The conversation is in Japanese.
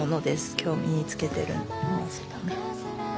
今日身につけてるものはね。